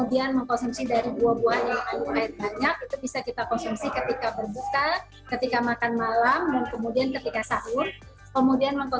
kemudian mengkonsumsi minuman susu